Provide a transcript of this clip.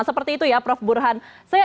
seperti itu ya prof burhan